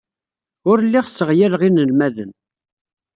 Ur lliɣ sseɣyaleɣ inelmaden.